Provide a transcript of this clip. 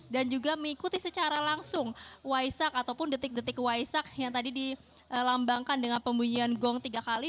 dan juga mengikuti secara langsung waisak ataupun detik detik waisak yang tadi dilambangkan dengan pembunyian gong tiga kali